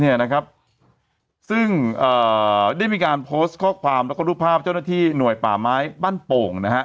เนี่ยนะครับซึ่งเอ่อได้มีการโพสต์ข้อความแล้วก็รูปภาพเจ้าหน้าที่หน่วยป่าไม้บ้านโป่งนะฮะ